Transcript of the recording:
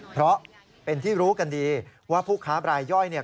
เพราะเป็นที่รู้กันดีว่าผู้ค้าบรายย่อยเนี่ย